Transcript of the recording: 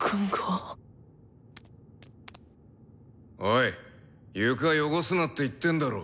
オイ床汚すなって言ってんだろ。